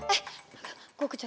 eh gue kejar